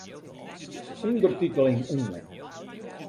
Undertiteling oan.